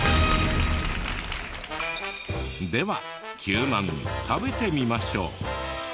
では灸まん食べてみましょう。